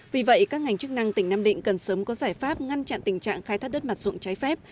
vì vậy các ngành chức năng tỉnh nam định cần sớm có giải pháp ngăn chặn tình trạng khai thác đất mặt dụng trái phép